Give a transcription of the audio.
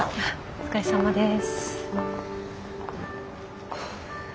お疲れさまです。